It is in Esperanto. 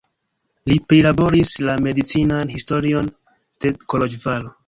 Li prilaboris la medicinan historion de Koloĵvaro.